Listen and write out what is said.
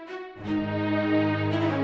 ayo kita mulai berjalan